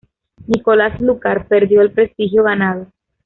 Nicolás Lúcar perdió el prestigio ganado.